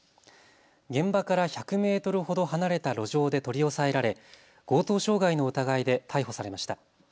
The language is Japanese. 現場から１００メートルほど離れた路上で取り押さえられ強盗傷害の疑いで逮捕されました。